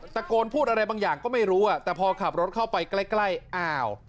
ตะโกนพูดอะไรบางอย่างก็ไม่รู้อ่ะแต่พอขับรถเข้าไปใกล้ใกล้อ้าว